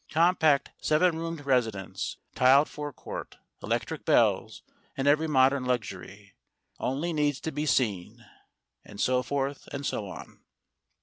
Compact seven roomed residence, tiled forecourt, electric bells, and every modern luxury. Only needs to be seen." And so forth and so on.